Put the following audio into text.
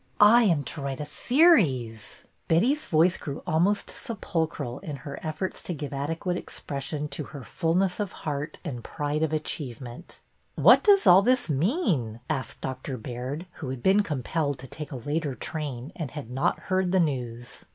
I am to write a series I " Betty's voice grew almost sepulchral in her efforts to give adequate expression to her full ness of heart and pride of achievement. 302 BETTY BAIRD'S VENTURES '' What does all this mean? " asked Dr. Baird, who had been compelled to take a later train and had not heard the news.